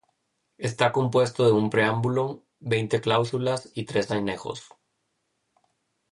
Está compuesto de un preámbulo, veinte cláusulas y tres anejos.